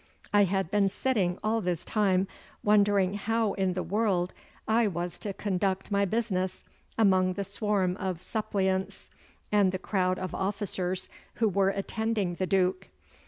I had been sitting all this time wondering how in the world I was to conduct my business amid the swarm of suppliants and the crowd of officers who were attending the Duke.